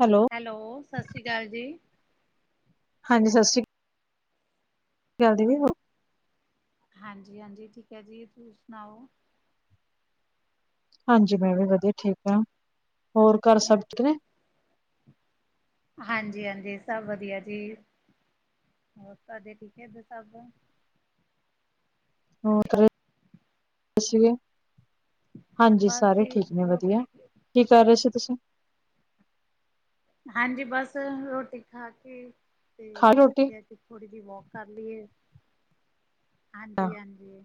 Hello. Hello ਸਤਿ ਸ਼੍ਰੀ ਅਕਾਲ ਜੀ। ਹਾਂਜੀ ਸਤਿ ਚੱਲਦੀ ਹੋ ਹਾਂਜੀ ਹਾਂਜੀ ਠੀਕ ਹੈ ਜੀ ਤੁਸੀਂ ਸੁਣਾਓ ਹਾਂਜੀ ਮੈਂ ਵੀ ਵਧੀਆ ਠੀਕ ਹਾਂ ਹੋਰ ਘਰ ਸਭ ਕਿਵੇਂ ਹਾਂਜੀ ਹਾਂਜੀ ਸਭ ਵਧੀਆ ਜੀ ਹੋਰ ਤੁਹਾਡੇ ਠੀਕ ਹੈ ਇਧਰ ਸਭ ਹੋਰ [unintelligible] ਅਸੀਂ ਵੀ ਹਾਂਜੀ ਬਸ ਸਾਰੇ ਜੀ, ਠੀਕ ਨੇ ਵਧੀਆ ਰੋਟੀ ਕੀ ਕਰ ਰਹੇ ਸੀ ਤੁਸੀਂ ਹਾਂਜੀ, ਬਸ ਰੋਟੀ ਖਾ ਕੇ ਤੇ ਖਾ ਲਈ ਰੋਟੀ ਕਹਿ ਕੇ। ਥੋੜੀ ਜਿਹੀ ਵੋਕ ਕਰ ਲਈਏ ਹਾਂ। ਹਾਂਜੀ, ਹਾਂਜੀ।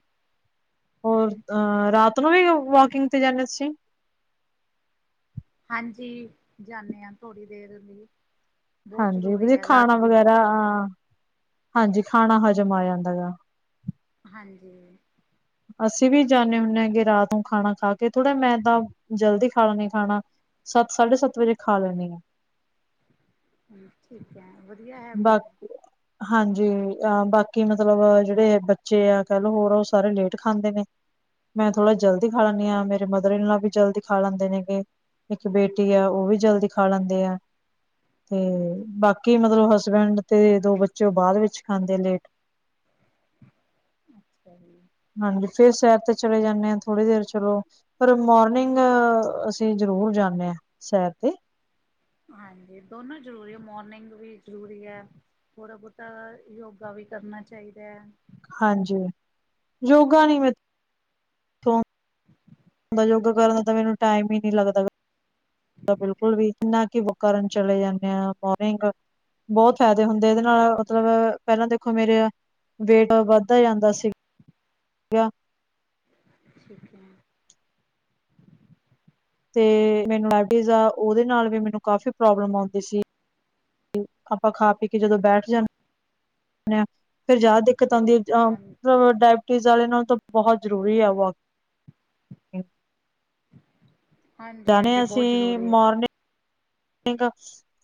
ਹੋਰ ਅਹ ਰਾਤ ਨੂੰ ਵੀ ਵਾਕਿੰਗ ਤੇ ਜਾਂਦੇ ਤੁਸੀਂ। ਹਾਂਜੀ, ਜਾਂਦੇ ਹਾਂ ਥੋੜੀ ਦੇਰ ਲਈ। ਬਹੁਤ ਜ਼ਰੂਰੀ ਹਾਂਜੀ ਹੈ ਰਾਤ ਖਾਣਾ ਦੀ ਵਗੈਰਾ ਵੋਕ ਵੀ, ਹਾਂਜੀ ਖਾਣਾ ਹਜ਼ਮ ਆ ਜਾਂਦਾ ਹੈ। ਹਾਂਜੀ। ਅਸੀਂ ਵੀ ਜਾਂਦੇ ਹੁੰਦੇ ਹਾਂਗੇ ਰਾਤ ਨੂੰ ਖਾਣਾ ਖਾ ਕੇ ਥੋੜਾ ਮੈਂ ਤਾਂ ਜਲਦੀ ਖਾਣਾ ਲੇਣੀ ਖਾਣਾ। ਸੱਤ ਸਾਢੇ ਸੱਤ ਵਜੇ ਖਾ ਲੈਣੀ ਆ। ਠੀਕ ਹੈ, ਵਧੀਆ ਬਾ ਹੈਬੇਟ ਹਾਂਜੀ ਬਾਕੀ ਮਤਲਬ ਜਿਹੜੇ ਬੱਚੇ ਆ ਕਹਿ ਲੋਓ ਹੋਰ ਆ, ਉਹ ਸਾਰੇ ਲੇਟ ਖਾਂਦੇ ਨੇ। ਮੈਂ ਥੋੜਾ ਜਲਦੀ ਖਾ ਲੈਂਦੀ ਹਾਂ ਮੇਰੇ ਮਦਰ ਇਨ ਲੋ ਵੀ ਜਲਦੀ ਖਾ ਲੈਂਦੇ ਨੇਗੇ। ਇੱਕ ਬੇਟੀ ਆ ਉਹ ਵੀ ਜਲਦੀ ਖਾ ਲੈਂਦੇ ਆ, ਤੇ ਹੈ, ਬਾਕੀ ਮਤਲਬ ਹਸ ਹਸਬੈਂਡ ਤੇ ਦੋ ਬੱਚੇ ਉਹ ਬਾਅਦ ਵਿੱਚ ਖਾਂਦੇ ਨੇ ਲੇਟ ਅੱਛਾ ਜੀ। ਹਾਂਜੀ ਫਿਰ ਸੈਰ ਤੇ ਚਲੇ ਜਾਂਦੇ ਹਾਂ, ਥੋੜੀ ਦੇਰ ਚਲੋ ਪਰ ਮੋਰਨਿੰਗ ਅਸੀਂ ਜ਼ਰੂਰ ਜਾਂਦੇ ਹਾਂ ਸੈਰ ਤੇ ਹਾਂਜੀ ਦੋਨੋ ਜ਼ਰੂਰੀ ਮੋਰਨਿੰਗ ਵੀ ਜ਼ਰੂਰੀ ਹੈ। ਥੋੜਾ ਬਹੁਤਾ ਯੋਗਾ ਵੀ ਕਰਨਾ ਚਾਹੀਦਾ ਹੈ। ਹਾਂਜੀ, ਯੋਗਾ ਨੀ ਮੇ [inaudible] ਮੈਂ ਯੋਗਾ ਕਰਨ ਦਾ ਤਾਂ ਮੈਨੂੰ ਟਾਈਮ ਹੀ ਨਹੀਂ ਲੱਗਦਾ ਬਿਲਕੁਲ ਵੀ। ਕਿੰਨਾ ਕਿ ਵੋਕ ਕਰਨ ਚਲੇ ਜਾਂਦੇ ਆ ਮੋਨਿੰਗ ਬਹੁਤ ਫਾਇਦੇ ਹੁੰਦੇ ਇਹਦੇ ਨਾਲ ਮਤਲਬ ਪਹਿਲਾਂ ਦੇਖੋ ਮੇਰੇ ਵੇਟ ਵੱਧਦਾ ਜਾਂਦਾ ਸੀ। ਠੀਕ ਹੈ। ਤੇ ਮੈਨੂੰ ਡੈਪਟੀਜ ਆ ਉਹਦੇ ਨਾਲ ਵੀ ਮੈਨੂੰ ਕਾਫੀ ਪ੍ਰੋਬਲਮ ਆਉਂਦੀ ਸੀ। ਤੇ ਆਪਾਂ ਖਾ ਪੀ ਕੇ ਜਦੋਂ ਬੈਠ ਜਾਣ ਫਿਰ ਜ਼ਿਆਦਾ ਦਿੱਕਤ ਆਉਂਦੀ ਹੈ ਜਾ ਹਾਂ [unintelligible] ਨਾਲ ਤਾਂ ਬਹੁਤ ਜ਼ਰੂਰੀ ਹੈ ਵੋਕ ਹਾਂਜੀ, ਜਾਂਦੇ ਹਾਂਜੀ ਬਹੁਤ ਜ਼ਰੂਰੀ ਹੈ। ਹੈਗਾ।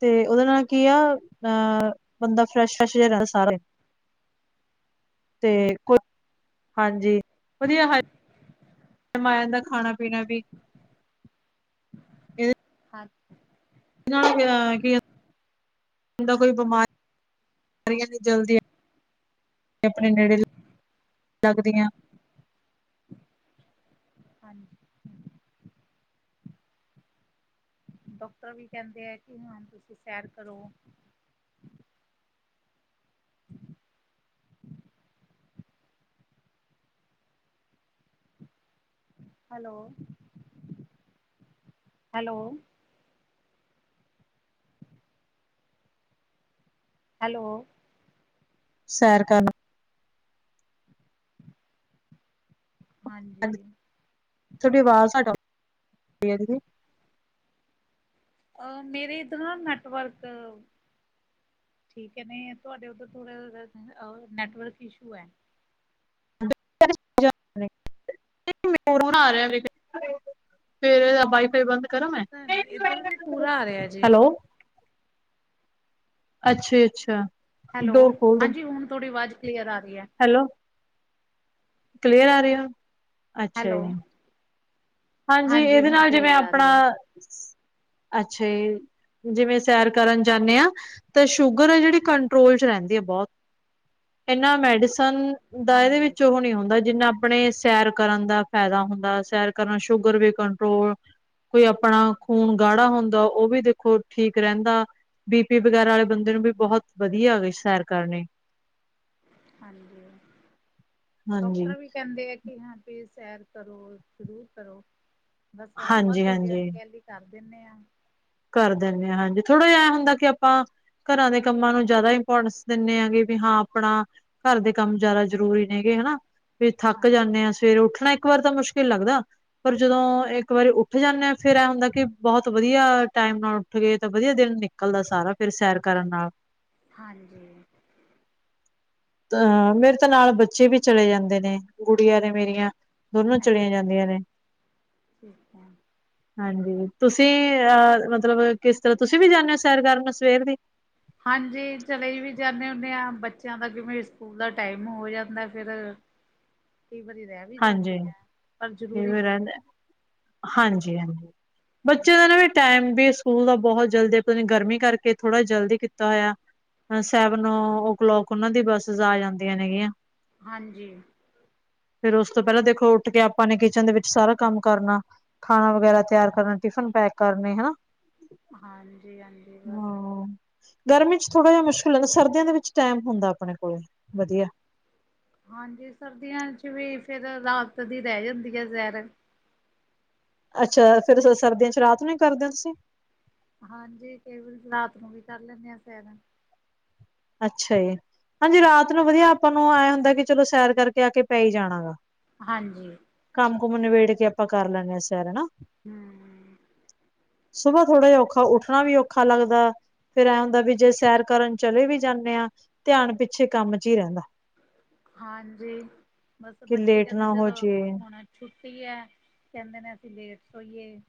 ਤੇ ਉਹਦੇ ਨਾਲ ਕੀ ਆ ਅਹ ਬੰਦਾ ਫਰੈਸ਼, ਫਰੈਸ਼ ਰਹਿੰਦਾ ਸਾਰਾ ਦਿਨ ਤੇ ਕੁ ਹਾਂਜੀ ਵਧੀਆ ਤੇ ਮਾਇਆ ਦਾ ਖਾਣਾ ਪੀਣਾ ਵੀ ਹਾਂਜੀ। ਇਹਨਾਂ ਨਾਲ ਕਿ ਕਹਿੰਦੇ ਕੋਈ ਨਾ ਬਿਮਾਰੀ [unintelligible] ਦੀ ਚਲਦੀ ਆਪਣੇ ਨੇੜੇ ਲੱਗਦੀ ਹਾਂ। ਹਾਂਜੀ। ਡਾਕਟਰ ਵੀ ਕਹਿੰਦੇ ਏ ਕਿ ਹੁਣ ਤੁਸੀਂ ਸੈਰ ਕਰੋ। [inaudible] ਹੈਲੋ। ਹੈਲੋ। ਹੈਲੋ। ਸੈਰ ਕਰਨਾ। ਹਾਂਜੀ। ਥੋਡੀ ਆਵਾਜ਼ ਘੱਟ ਆਉਦੀ ਐ ਦੀਦੀ। ਅ ਮੇਰੇ ਇੱਧਰ ਨਾ ਨੈਟਵਰਕ ਠੀਕ ਐ, ਨੇ ਤੁਹਾਡੇ ਉੱਧਰ ਥੋੜਾ ਜਾ ਨੈਟਵਰਕ ਇਸ਼ੂ ਐ। [inaudible] ਇੱਕ ਫੋਨ ਆ ਰਿਹਾ ਵੇਖ ਸਵੇਰੇ ਦਾ ਵਾਈਫਾਈ ਬੰਦ ਕਰਾਂ ਮੈਂ ਪਤਾ ਨੀ ਇੱਧਰ ਵੀ ਪੂਰਾ ਆ ਰਿਹਾ ਜੇ। ਹੈਲੋ ਅੱਛਾ ਜੀ ਅੱਛਾ, ਹੈਲੋ ਡੋਰ ਖੋਲ ਦੇ ਹਾਂਜੀ ਹੁਣ ਥੋਡੀ ਆਵਾਜ਼ ਕਲੀਅਰ ਆ ਰਹੀ ਐ। ਹੈਲੋ, ਕਲੀਅਰ ਆ ਰਹੀਆ ਐ ਅੱਛਾ ਹੈਲੋ ਜੀ। ਹਾਂਜੀ ਇਹਦੇ ਹੁਣ ਨਾਲ ਜਿਵੇਂ ਕਲੀਅਰ ਆ ਆਪਣਾ, ਰਹੀ ਹੈ ਅੱਛਾ ਜੀ। ਜਿਵੇਂ ਸੈਰ ਕਰਨ ਜਾਂਨੇ ਆ, ਤਾਂ ਸ਼ੂਗਰ ਆ ਜਿਹੜੀ ਕੰਟਰੋਲ ਚ ਰਹਿੰਦੀ ਆ ਬਹੁਤ ਇਹਨਾਂ ਮੈਡੀਸਨ ਦਾ ਇਹਦੇ ਹਾਂਜੀ ਵਿੱਚ ਉਹ ਨੀ ਹੁੰਦਾ ਜਿੰਨਾ ਆਪਣੇ ਸੈਰ ਕਰਨ ਦਾ ਫਾਇਦਾ ਹੁੰਦਾ ਸੈਰ ਕਰਨਾ ਸ਼ੂਗਰ ਵੀ ਕੰਟਰੋਲ ਕੋਈ ਆਪਣਾ ਖੂਨ ਗਾੜਾ ਹੁੰਦਾ ਉਹ ਵੀ ਦੇਖੋ ਠੀਕ ਰਹਿੰਦਾ। ਬੀ ਪੀ ਵਗੈਰਾ ਵਾਲੇ ਬੰਦੇ ਨੂੰ ਵੀ ਬਹੁਤ ਵਧੀਆ ਆ ਸੈਰ ਕਰਨੀ। ਹਾਂਜੀ, ਹਾਂਜੀ। ਡਾਕਟਰ ਵੀ ਕਹਿੰਦੇ ਆ। ਹਾਂ ਵੀ ਸੈਰ ਕਰੋ ਜ਼ਰੂਰ ਕਰੋ ਬਸ ਆਪਾਂ ਦੂਜਿਆਂ ਨੂੰ ਹਾਂਜੀ-ਹਾਂਜੀ ਕਹਿ ਲਈ ਕਰ ਦਿੰਨੇ ਆ। ਕਰ ਦਿੰਨੇ ਆ ਹਾਂਜੀ ਥੋੜ੍ਹਾ ਜਿਹਾ ਐ ਹੁੰਦਾ ਕਿ ਆਪਾਂ ਘਰਾਂ ਦੇ ਕੰਮਾਂ ਨੂੰ ਜ਼ਿਆਦਾ ਇੰਪੋਰਟੈਂਸ ਦਿੰਨੇ ਆ ਵੀ ਹਾਂ ਆਪਣਾ ਘਰ ਦੇ ਕੰਮ ਜ਼ਿਆਦਾ ਜ਼ਰੂਰੀ ਨੇ ਗੇ ਹਨਾ ਵੀ ਥੱਕ ਹਾਂ ਜਾਂਨੇ ਆ ਅਸੀਂ ਫਿਰ ਉੱਠਣਾ ਇੱਕ ਵਾਰ ਤਾਂ ਮੁਸ਼ਕਿਲ ਲੱਗਦਾ। ਪਰ ਜਦੋਂ ਇੱਕ ਵਾਰੀ ਉੱਠ ਜਾਨੇ ਆ ਫਿਰ ਐ ਹੁੰਦਾ ਕਿ ਬਹੁਤ ਵਧੀਆ ਟਾਈਮ ਨਾਲ ਉੱਠ ਗਏ ਤਾਂ ਵਧੀਆ ਦਿਨ ਨਿਕਲਦਾ ਸਾਰਾ ਫਿਰ ਸੈਰ ਕਰਨ ਨਾਲ ਹਾਂਜੀ, ਅ ਮੇਰੇ ਤੇ ਨਾਲ ਬੱਚੇ ਵੀ ਚਲੇ ਜਾਂਦੇ ਨੇ ਗੁੜੀਆਂ ਨੇ ਮੇਰੀਆਂ ਦੋਨੋ ਚਲੀਆਂ ਜਾਂਦੀਆਂ। ਦੇ ਨੇ, ਠੀਕ ਐ, ਹਾਂਜੀ ਤੁਸੀਂ ਅਹ ਮਤਲਬ ਕਿਸ ਤਰ੍ਹਾਂ ਤੁਸੀਂ ਵੀ ਜਾਂਨੇ ਔ ਸੈਰ ਕਰਨ ਸਵੇਰ ਦੀ? ਹਾਂਜੀ ਚਲੇ ਵੀ ਜਾਨੇ ਹੁੰਨੇ ਆ ਬੱਚਿਆਂ ਦਾ ਜਿਵੇਂ ਸਕੂਲ ਦਾ ਟਾਈਮ ਹੋ ਜਾਂਦਾ ਫਿਰ ਕਈ ਵਾਰੀ ਰਹਿ ਵੀ ਜਾਂਦੀ ਹਾਂਜੀ ਐ, ਪਰ ਜ਼ਰੂਰੀ ਬਹੁਤ ਆ। ਹਾਂਜੀ-ਹਾਂਜੀ, ਬੱਚਿਆਂ ਦਾ ਨਾ ਵੀ ਟਾਈਮ ਵੇਸਟ ਸਕੂਲ ਦਾ ਬਹੁਤ ਜਲਦੀ ਪਤਾ ਨੀ ਗਰਮੀ ਕਰਕੇ ਥੋੜਾ ਜਲਦੀ ਕੀਤਾ ਹੋਇਆ। ਸੈਵਨ ਓ ਕਲੋਕ ਉਹਨਾਂ ਦੀ ਬੱਸਿਸ ਆ ਜਾਂਦੀਆਂ ਨੇ ਗੀਆਂ। ਹਾਂਜੀ, ਫੇਰ ਉਸ ਤੋਂ ਪਹਿਲਾਂ ਦੇਖੋ ਉੱਠ ਕੇ ਆਪਾਂ ਨੇ ਕਿਚਨ ਦੇ ਵਿੱਚ ਸਾਰਾ ਕੰਮ ਕਰਨਾ। ਖਾਣਾ ਵਗੈਰਾ ਤਿਆਰ ਕਰਨਾ ਟਿਫਨ ਪੈਕ ਕਰਨੇ ਹਨਾ ਹਾਂਜੀ ਹਾਂਜੀ ਬਸ ਹਾਂ ਗਰਮੀ ਚ ਥੋੜਾ ਜਿਹਾ ਮੁਸ਼ਕਿਲ ਲੱਗਦਾ ਸਰਦੀਆਂ ਦੇ ਵਿੱਚ ਟਾਈਮ ਹੁੰਦਾ ਆਪਣੇ ਕੋਲ ਵਧੀਆ ਹਾਂਜੀ ਸਰਦੀਆਂ ਚ ਵੀ ਫਿਰ ਰਾਤ ਦੀ ਰਹਿ ਜਾਂਦੀ ਹੈ ਜ਼ੈਰ ਅੱਛਾ ਫਿਰ ਸਰਦੀਆਂ ਚ ਰਾਤ ਨੂੰ ਵੀ ਕਰਦੇ ਓ ਤੁਸੀਂ ਹਾਂਜੀ ਕਈ ਵਾਰੀ ਰਾਤ ਨੂੰ ਵੀ ਕਰ ਲੈਂਦੇ ਹਾਂ ਸੈਰਾ ਅੱਛਾ ਜੀ ਹਾਂਜੀ ਰਾਤ ਨੂੰ ਵਧੀਆ ਆਪਾਂ ਨੂੰ ਹੈ ਹੁੰਦਾ ਕਿ ਚਲੋ ਸੈਰ ਕਰਕੇ ਆ ਕੇ ਪੈ ਹੀ ਜਾਣਾ ਹੈ। ਹਾਂਜੀ ਕੰਮ ਕੁਮ ਨਬੇੜ ਕੇ ਆਪਾਂ ਕਰ ਲੇਣੈ ਸੈਰ ਹਨਾ ਹੂੰ,,, ਸੁਬਾਹ ਥੋੜਾ ਜਿਹਾ ਔਖਾ ਉੱਠਣਾ ਵੀ ਔਖਾ ਲੱਗਦਾ ਫਿਰ ਹੈ ਹੁੰਦਾ ਵੀ ਜੇ ਸੈਰ ਕਰਨ ਚਲੇ ਵੀ ਜਾਂਦੇ ਆ ਧਿਆਨ ਪਿੱਛੇ ਕੰਮ ਚ ਹੀ ਰਹਿੰਦਾ ਹਾਂਜੀ ਬਸ ਕਿ ਬੱਚੇ ਲੇਟ ਕਹਿੰਦੇ ਨਾ ਹੋ ਜਦੋਂ ਜਾਏ ਹੋਣਾ ਛੁੱਟੀ ਹੈ ਕਹਿੰਦੇ ਨੇ ਅਸੀਂ ਲੇਟ ਸੋਈਏ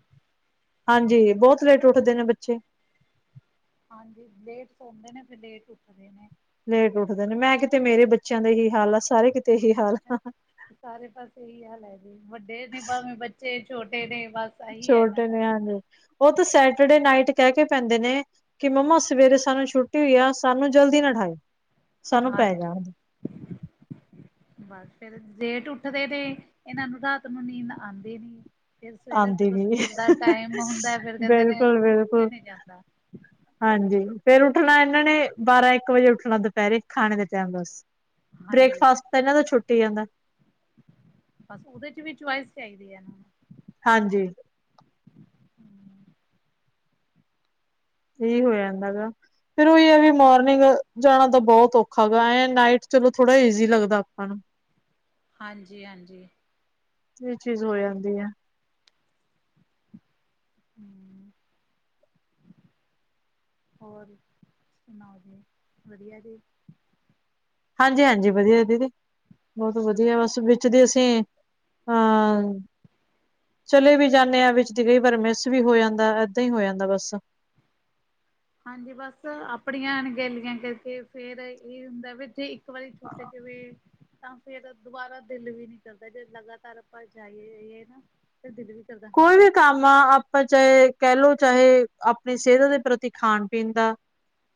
ਹਾਂਜੀ ਬਹੁਤ ਲੇਟ ਉੱਠਦੇ ਨੇ ਬੱਚੇ ਹਾਂਜੀ ਲੇਟ ਸੌਦੇ ਨੇ ਫਿਰ ਲੇਟ ਉੱਠਦੇ ਨੇ ਲੇਟ ਉੱਠਦੇ ਨੇ ਮੈਂ ਕਿਤੇ ਮੇਰੇ ਬੱਚਿਆਂ ਦਾ ਇਹੀ ਹਾਲ ਆ ਸਾਰੇ ਕਿਤੇ ਇਹੀ ਹਾਲ ਆ ਸਾਰੇ ਪਾਸੇ ਇਹੀ ਹਾਲ ਹੈ ਜੀ ਵੱਡੇ ਨੇ ਭਾਵੇਂ ਬੱਚੇ ਛੋਟੇ ਨੇ ਬਸ ਇਹੀ ਹੈ ਇਹਨਾਂ ਛੋਟੇ ਦਾ ਨੇ ਹਾਂਜੀ, ਉਹ ਤਾਂ ਸੈਟਰਡੇ ਨਾਈਟ ਕਹਿ ਕੇ ਪੈਂਦੇ ਨੇ ਕਿ ਮੰਮਾ ਸਵੇਰੇ ਸਾਨੂੰ ਛੁੱਟੀ ਹੋਈ ਆ ਸਾਨੂੰ ਜਲਦੀ ਨਾ ਠਾਈਓ। ਹਾਂਜੀ ਬਸ ਫਿਰ ਜੇਠ ਉੱਠਦੇ ਨੇ ਇਹਨਾਂ ਨੂੰ ਰਾਤ ਨੂੰ ਨੀਂਦ ਆਦੀ ਨੀ। ਫਿਰ ਸਵੇਰੇ ਆਉਂਦੀ ਜਦੋਂ ਵੀ ਸਕੂਲ ਦਾ ਟਾਈਮ ਹੁੰਦਾ ਫਿਰ ਕਹਿੰਦੇ ਨੇ ਬਿਲਕੁਲ ਹੁਣ ਉਠਿਆ ਬਿਲਕੁਲ ਨੀ ਜਾਂਦਾ ਹਾਂਜੀ ਫਿਰ ਉੱਠਣਾ ਇਹਨਾਂ ਨੇ ਬਾਰਾਂ ਇੱਕ ਵਜੇ ਉੱਠਣਾ ਦੁਪਹਿਰੇ ਖਾਣੇ ਦੇ ਟਾਈਮ ਬਸ ਹਾਂਜੀ ਬ੍ਰੇਕਫਾਸਟ ਤਾਂ ਇਹਨਾਂ ਦਾ ਛੁੱਟੀ ਜਾਂਦਾ ਬਸ ਉਹਦੇ ਚ ਵੀ ਚੁਇਸ ਚਾਹੀਦੀ ਇਹਨਾਂ ਨੂੰ। ਹਾਂਜੀ ਨੂੰ ਇਹੀ ਹੋ ਜਾਂਦਾ ਗਾ। ਫਿਰ ਉਹੀ ਹੈ ਵੀ ਮੋਰਨਿੰਗ ਜਾਣਾ ਤਾਂ ਬਹੁਤ ਔਖਾ ਗਾ ਹੈ ਨਾਈਟ ਚਲੋ ਥੋੜਾ ਈਜ਼ੀ ਲੱਗਦਾ ਆਪਾਂ ਨੂੰ ਹਾਂਜੀ -ਹਾਂਜੀ ਇਹ ਚੀਜ਼ ਹੋ ਜਾਂਦੀ ਹੈ। ਹੂੰ,,, ਹੋਰ ਸੁਣਾਓ ਜੀ ਵਧੀਆ ਜੀ? ਹਾਂਜੀ -ਹਾਂਜੀ ਵਧੀਆ ਦੀਦੀ ਬਹੁਤ ਵਧੀਆ ਬਸ ਵਿੱਚ ਕਦੇ ਅਸੀਂ ਅਹ ਚਲੇ ਵੀ ਜਾਂਦੇ ਹਾਂ ਵਿੱਚ ਦੀ ਕਈ ਪਰ ਮਿਸ ਵੀ ਹੋ ਜਾਂਦਾ ਏਦਾਂ ਹੀ ਹੋ ਜਾਂਦਾ ਬਸ ਹਾਂਜੀ ਬਸ ਆਪਣੀਆਂ ਗਿਨ ਗਿਨ ਕੇ ਫਿਰ ਇਹ ਹੁੰਦਾ ਵੀੇ [unintelligible] ਛੂਟ ਜਵੇ ਤਾਂ ਫਿਰ ਦੁਬਾਰਾ ਦਿਲ ਵੀ ਨੀ ਕਰਦਾ ਜੇ ਲਗਾਤਾਰ ਆਪਾਂ ਜਾਈ ਆਈਏ ਨਾ ਤੇ ਦਿਲ ਵੀ ਕਰਦਾ ਹਾਂ ਭਾਈ [unintelligible] ਆਪਾਂ ਚਾਹੇ ਕਹਿ ਲਓ ਚਾਹੇ ਆਪਣੀ ਸਿਹਤ ਦੇ ਪ੍ਰਤੀ ਖਾਣ ਪੀਣ ਦਾ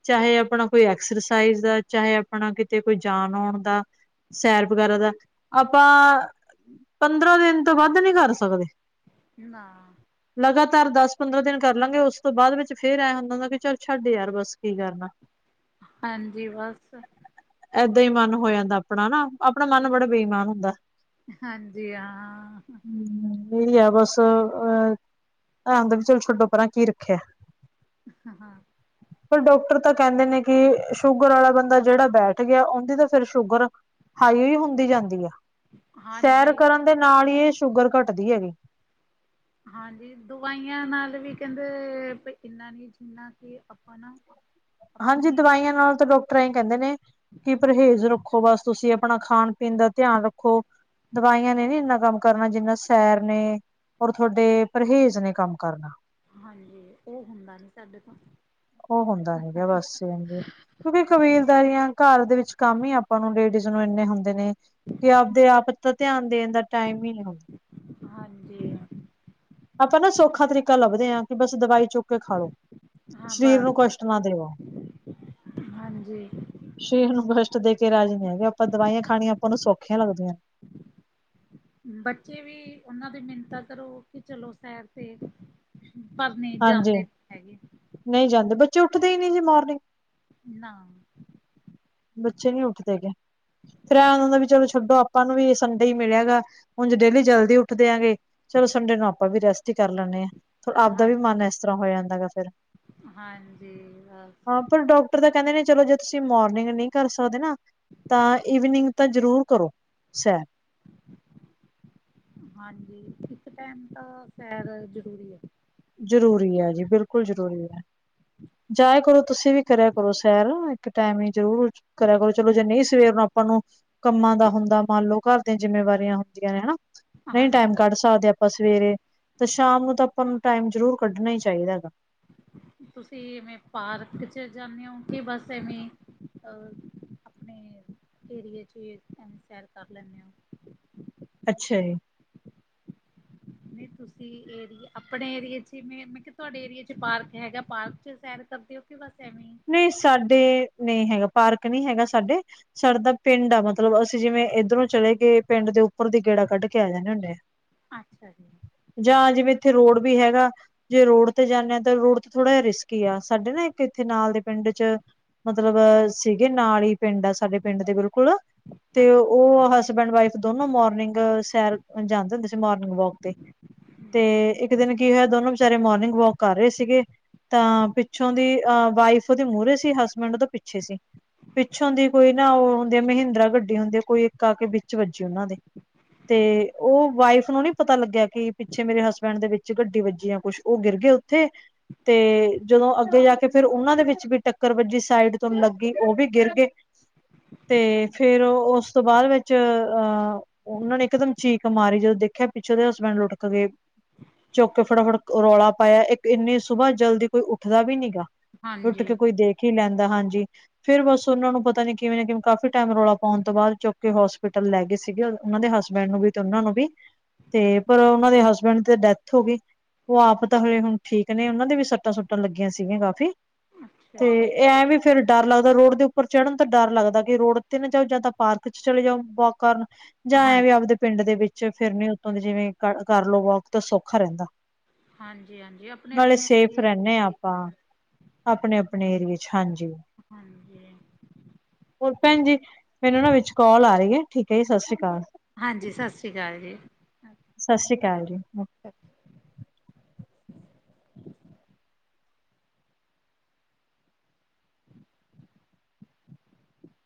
ਚਾਹੇ ਆਪਣਾ ਕੋਈ ਐਕਸਰਸਾਈਜ਼ ਦਾ ਚਾਹੇ ਆਪਣਾ ਕਿਤੇ ਕੋਈ ਜਾਨ ਆਉਣ ਦਾ ਸੈਰ ਵਗੈਰਾ ਦਾ ਆਪਾਂ ਪੰਦਰਾਂ ਦਿਨ ਤੋਂ ਵੱਧ ਨਹੀਂ ਕਰ ਸਕਦੇ। ਨਾ ਲਗਾਤਾਰ ਦਸ ਪੰਦਰਾਂ ਦਿਨ ਕਰ ਲਾਂਗੇ ਉਸ ਤੋਂ ਬਾਅਦ ਵਿੱਚ ਫੇਰ ਐਂ ਹੁੰਦਾ ਹੁੰਦਾ ਕਿ ਚੱਲ ਛੱਡ ਯਾਰ ਬਸ ਕੀ ਕਰਨਾ ਹਾਂਜੀ, ਬਸ ਏਦਾਂ ਹੀ ਮਨ ਹੋ ਜਾਂਦਾ ਆਪਣਾ ਨਾ ਆਪਣਾ ਮਨ ਬੜਾ ਬੇਈਮਾਨ ਹੁੰਦਾ। ਹਾਂਜੀ ਹਾਂ ਵੀ ਆ ਬਸ ਅਹ ਐ ਹੁੰਦਾ ਵੀ ਚਲੋ ਛਡੋ ਪਰਾਂ ਕੀ ਰੱਖਿਆ ਹਾਂ, ਹਾਂ ਪਰ ਡਾਕਟਰ ਤਾਂ ਕਹਿੰਦੇ ਨੇ ਕਿ ਸ਼ੂਗਰ ਵਾਲਾ ਬੰਦਾ ਜਿਹੜਾ ਬੈਠ ਗਿਆ ਉਹਦੀ ਤਾਂ ਫਿਰ ਸ਼ੂਗਰ ਹਾਈਈ ਹੁੰਦੀ ਜਾਂਦੀ ਆ ਸੈਰ ਹਾਂਜੀ ਕਰਨ ਦੇ ਨਾਲ ਹੀ ਇਹ ਸ਼ੂਗਰ ਘੱਟਦੀ ਹੈਗੀ। ਹਾਂਜੀ, ਦਵਾਈਆਂ ਨਾਲ ਵੀ ਕਹਿੰਦੇ ਇੰਨਾ ਨੀ ਜਿੰਨਾ ਕਿ ਆਪਾਂ ਨਾ [unintelligible] ਹਾਂਜੀ, ਦਵਾਈਆਂ ਨਾਲ ਤਾਂ ਡਾਕਟਰ ਇਹ ਕਹਿੰਦੇ ਨੇ ਕਿ ਪਰਹੇਜ਼ ਰੱਖੋ ਬਸ ਤੁਸੀਂ ਆਪਣਾ ਖਾਣ ਪੀਣ ਦਾ ਧਿਆਨ ਰੱਖੋ ਦਵਾਈਆਂ ਨੇ ਨੀ ਇੰਨਾ ਕੰਮ ਕਰਨਾ ਜਿੰਨਾ ਸੈਰ ਨੇ ਔਰ ਤੁਹਾਡੇ ਪਰਹੇਜ਼ ਨੇ ਕੰਮ ਕਰਨਾ। ਹਾਂਜੀ ਉਹ ਹੁੰਦਾ ਨੀ ਸਾਡੇ ਤੋਂ ਉਹ ਹੁੰਦਾ ਨੀ ਗਿਆ ਬਸ ਕਿਉਂਕਿ ਕਬੀਲਦਾਰੀਆਂ ਘਰ ਦੇ ਵਿੱਚ ਕੰਮ ਹੀ ਆਪਾਂ ਨੂੰ ਲੇਡੀਜ਼ ਨੂੰ ਇੰਨੇ ਹੁੰਦੇ ਨੇ ਕਿ ਆਪਦੇ ਆਪ ਤਾਂ ਧਿਆਨ ਦੇਣ ਦਾ ਟਾਈਮ ਹੀ ਨਹੀਂ ਹੁੰਦਾ ਹਾਂਜੀ ਆਪਾਂ ਨਾ ਸੌਖਾ ਤਰੀਕਾ ਲੱਭਦੇ ਹਾਂ ਕਿ ਬਸ ਦਵਾਈ ਚੁੱਕ ਕੇ ਖਾਾਲੋ ਹਾਂ ਬਸ ਹਾਂਜੀ ਸਸੀਰ ਨੂੰ ਕਸ਼ਟ ਦੇ ਕੇ ਰਾਜੀ ਨੇ ਵੀ ਆਪਾਂ ਦਵਾਈਆਂ ਖਾਣੀਆਂ ਆਪਾਂ ਉਹਨੂੰ ਸੌਖੀਆਂ ਲੱਗਦੀਆਂ [unintelligible] ਬੱਚੇ ਵੀ ਉਹਨਾਂ ਦੀ ਮਿੰਨਤਾ ਕਰੋ ਕਿ ਚਲੋ ਸੈਰ ਤੇ ਪਰ ਨਹੀਂ ਹਾਂਜੀ ਜਾਂਦੇ ਹੈਗੇ। ਨਹੀਂ ਜਾਂਦੇ ਬੱਚੇ ਉੱਠਦੇ ਹੀ ਨਹੀਂ ਜੀ ਮਾਰਨਿੰਗ ਨਾ ਬੱਚੇ ਨਹੀ ਉੱਠਦੇ ਗਏ ਫਿਰ ਏਂ ਹੁੰਦਾ ਵੀ ਚਲੋ ਛੱਡੋ ਆਪਾਂ ਨੂੰ ਵੀ ਸੰਡੇ ਹੀ ਮਿਲਿਆ ਗਾ ਹੁਣ ਡੇਲੀ ਜਲਦੀ ਉੱਠਦੇ ਆਂਗੇ। ਚਲੋ ਸੰਡੇ ਨੂੰ ਆਪਾਂ ਵੀ ਰੈਸਟ ਹੀ ਕਰ ਲੈਂਦੇ ਹਾਂ ਆਪਦਾ ਹਾਂ ਵੀ ਮਨ ਇਸ ਤਰ੍ਹਾਂ ਹੋ ਜਾਂਦਾ ਹੈ ਫਿਰ ਹਾਂਜੀ ਹਾਂ ਹਾਂ ਪਰ ਡਾਕਟਰ ਦਾ ਕਹਿੰਦੇ ਨੇ ਚਲੋ ਜੇ ਤੁਸੀਂ ਮੋਰਨਿੰਗ ਨਹੀਂ ਕਰ ਸਕਦੇ ਨਾ ਤਾਂ ਈਵਨਿੰਗ ਤਾਂ ਜ਼ਰੂਰ ਕਰੋ ਸੈਰ [unintelligible] ਹਾਂਜੀ ਇੱਕ ਟਾਈਮ ਤਾਂ ਸੈਰ ਜ਼ਰੂਰੀ ਹੈ। ਜ਼ਰੂਰੀ ਹੈ ਜੀ ਬਿਲਕੁਲ ਜ਼ਰੂਰੀ ਹੈ ਜਾਆ ਕਰੋ ਤੁਸੀਂ ਵੀ ਕਰਿਆ ਕਰੋ ਸੈਰ ਇੱਕ ਟਾਈਮ ਹੀ ਜ਼ਰੂਰ ਕਰਿਆ ਕਰੋ ਚਲੋ ਜੇ ਨਹੀਂ ਸਵੇਰ ਨੂੰ ਆਪਾਂ ਨੂੰ ਕੰਮਾਂ ਦਾ ਹੁੰਦਾ ਮੰਨ ਲਓ ਘਰ ਜਿੰਮੇਵਾਰੀਆਂ ਹੁੰਦੀਆਂ ਨੇ ਹਨਾ ਨਹੀਂ ਟਾਈਮ ਹਾਂਜੀ ਕੱਢ ਸਕਦੇ ਆਪਾਂ ਸਵੇਰੇ ਤੇ ਸ਼ਾਮ ਨੂੰ ਤਾਂ ਆਪਾਂ ਨੂੰ ਟਾਈਮ ਜ਼ਰੂਰ ਕੱਢਣਾ ਹੀ ਚਾਹੀਦਾ ਹੈਗਾ। ਤੁਸੀਂ ਐਵੇਂ ਪਾਰਕ ਚ ਜਾਂਦੇ ਹੋ ਕਿ ਬਸ ਐਵੇਂ ਅਹ ਆਪਣੇ ਏਰੀਏ ਚ ਸੈਰ ਕਰ ਲੈਂਦੇ ਹੋ। ਅੱਛਾ ਜੀ [unintelligible] [unintelligible] ਨਹੀਂ ਤੁਸੀਂ ਅਰਿਆ ਆਪਣੇ ਏਰੀਏ ਚ ਹੀ ਜਿਵੇਂ ਮੈਂ ਕਿਹਾ ਤੁਹਾਡੇ ਏਰੀਏ ਚ ਪਾਰਕ ਹੈਗਾ ਪਾਰਕ ਚ ਸੈਰ ਕਰਦੇ ਹੋ। ਕਿ ਬਸ ਐਵੇਂ ਹੀ ਨਈ ਸਾਡੇ ਨਹੀ ਹੈਗਾ ਪਾਰਕ ਨਹੀਂ ਹੈਗਾ ਸਾਡੇ। ਸਾਡੇ ਦਾ ਪਿੰਡ ਆ ਮਤਲਬ ਅਸੀਂ ਜਿਵੇਂ ਇੱਧਰੋਂ ਚਲੇ ਗਏ ਪਿੰਡ ਦੇ ਉੱਪਰ ਦੀ ਗੇੜਾ ਕੱਢ ਕੇ ਆ ਜਾਂਦੇ ਹੁੰਨੇ ਆ। ਅੱਛਾ ਜੀ। ਜਾਂ ਜਿਵੇਂ ਇੱਥੇ ਰੋਡ ਵੀ ਹੈਗਾ ਜੇ ਰੋਡ ਤੇ ਜਾਂਦੇ ਆ ਤਾਂ ਰੋਡ ਥੋੜਾ ਜਿਹਾ ਰਿਸਕੀ ਆ, ਸਾਡੇ ਨਾ ਇੱਕ ਇੱਥੇ ਨਾਲ ਦੇ ਪਿੰਡ ਚ ਮਤਲਬ ਸੀਗੇ ਨਾਲ ਹੀ ਪਿੰਡ ਆ ਸਾਡੇ ਪਿੰਡ ਦੇ ਬਿਲਕੁਲ। ਤੇ ਅੱਛਾ ਉਹ ਹਸਬੈਂਡ ਵਾਈਫ ਦੋਨੋ ਮੋਰਨਿੰਗ ਸੈਰ ਕਰਨ ਜਾਂਦੇ ਹੁੰਦੇ ਸੀ ਮੋਰਨਿੰਗ ਵਾਕ ਤੇ। ਤੇ ਇੱਕ ਦਿਨ ਕੀ ਹੋਇਆ ਦੋਨੋ ਵਿਚਾਰੇ ਮੋਰਨਿੰਗ ਵੋਕ ਕਰ ਰਹੇ ਸੀਗੇ ਤਾਂ ਪਿੱਛੋਂ ਦੀ ਅ ਵਾਈਫ ਉਹਦੇ ਮੂਹਰੇ ਸੀ ਹਸਬੈਂਡ ਉਹਦੇ ਪਿੱਛੇ ਸੀ। ਪਿੱਛੋਂ ਦੀ ਕੋਈ ਨਾ ਉਹ ਹੁੰਦੀ ਮਹਿੰਦਰਾ ਗੱਡੀ ਹੁੰਦੀ ਹੈ ਕੋਈ ਕਾ ਕੇ ਵਿੱਚ ਵੱਜੀ ਉਹਨਾਂ ਦੇ ਤੇ ਓਹੋ ਉਹ ਵਾਈਫ ਨੂੰ ਨੀ ਪਤਾ ਲੱਗਿਆ ਕਿ ਪਿੱਛੇ ਮੇਰੇ ਹਸਬੈਂਡ ਦੇ ਵਿੱਚ ਗੱਡੀ ਵੱਜੀ ਆ ਕੁੱਛ ਉਹ ਗਿਰ ਗਏ ਉੱਥੇ। ਤੇ ਜਦੋਂ ਅੱਗੇ ਜਾ ਤੇ ਫਿਰ ਉਹਨਾਂ ਦੇ ਵਿੱਚ ਵੀ ਟੱਕਰ ਵੱਜੀ ਸਾਈਡ ਤੋਂ ਲੱਗੀ ਉਹ ਵੀ ਗਿਰ ਗੇ। ਤੇ ਫੇਰ ਉਸ ਤੋਂ ਬਾਦ ਵਿੱਚ ਅਹ ਉਹਨਾਂ ਨੇ ਇਕ ਦਮ ਚੀਕ ਮਾਰੀ ਜਦੋਂ ਦੇਖਿਆ ਪਿੱਛੇ ਉਹਦੇ ਹਸਬੈਂਡ ਲੁੱਡਕ ਗਏ। ਚੁਕ ਕੇ ਫਟਾਫਟ ਰੌਲਾ ਪਾਇਆ ਇੱਕ ਇੰਨੀ ਸੁਬਾਹ ਜਲਦੀ ਕੋਈ ਉੱਠਦਾ ਵੀ ਨੀ ਗਾ। ਉੱਠ ਹਾਂਜੀ ਕੇ ਕੋਈ ਦੇਖ ਹੀ ਲੈਂਦਾ ਹਾਂਜੀ। ਫਿਰ ਬਸ ਉਹਨਾਂ ਨੂੰ ਪਤਾ ਨੀ ਕਿਵੇਂ ਨਾ ਕਿਵੇਂ ਕਾਫ਼ੀ ਟੈਮ ਰੌਲਾ ਪਾਉਣ ਤੋਂ ਬਾਅਦ ਚੁੱਕ ਕੇ ਹੋਸਪਿਟਲ ਲੈ ਗਏ ਸੀਗੇ। ਉਹਨਾਂ ਦੇ ਹਸਬੈਂਡ ਨੂੰ ਵੀ ਤੇ ਉਹਨਾਂ ਨੂੰ ਵੀ ਤੇ ਪਰ ਉਹਨਾਂ ਦੇ ਹਸਬੈਂਡ ਤੇ ਡੈਥ ਹੋ ਗਈ। ਉਹ ਆਪ ਤਾਂ ਹਲੇ ਹੁਣ ਠੀਕ ਨੇ ਉਹਨਾਂ ਦੇ ਵੀ ਸੱਟਾਂ-ਸੁੱਟਾਂ ਲੱਗੀਆਂ ਸੀਗੀਆ ਕਾ ਤੇ ਅੱਛਾ ਜੀ ਇਹ ਐਂ ਵੀ ਫਿਰ ਡਰ ਲੱਗਦਾ ਰੋਡ ਦੇ ਉੱਪਰ ਚੜ੍ਹਨ ਤਾਂ ਡਰ ਲੱਗਦਾ ਕਿ ਰੋਡ ਤੇ ਨਾ ਜਾਓ ਜਾਂ ਤਾਂ ਪਾਰਕ ਚ ਚਲੇ ਜਾਓ ਵੋਕ ਕਰਨ। ਜਾਂ ਹਾਂ ਐਂ ਵੀ ਆਪਦੇ ਪਿੰਡ ਦੇ ਵਿੱਚ ਫਿਰ ਨੀ ਉੱਤੋਂ ਦੀ ਜਿਵੇਂ ਕਰ ਲਓ ਵਾਕ ਤਾਂ ਸੌਖਾ ਰਹਿੰਦਾ। ਹਾਂਜੀ-ਹਾਂਜੀ ਨਾਲੇ ਆਪਣੇ-ਆਪਣੇ [inaudible] ਆਪਣੇ-ਆਪਣੇ ਏਰੀਏ ਚ ਹਾਂਜੀ। ਹਾਂਜੀ ਹੋਰ ਭੈਣ ਜੀ ਮੈਨੂੰ ਨਾ ਵਿਚ ਕਾਲ ਆ ਰਹੀ ਹੈ ਠੀਕ ਜੀ ਸਸ ਸ੍ਰੀ ਕਾਲ। ਹਾਂਜੀ ਸਸ ਸ੍ਰੀ ਕਾਲ ਜੀ। ਸਸ ਸ੍ਰੀ ਕਾਲ ਜੀ। ਅੱ [unintelligible] [inaudible]